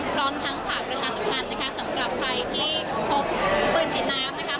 พร้อมทั้งฝากประชาสมันสำหรับใครที่พบปืนฉีดน้ำมาที่สนามบิน